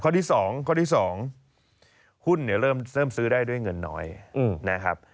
ที่๒ข้อที่๒หุ้นเนี่ยเริ่มซื้อได้ด้วยเงินน้อยนะครับ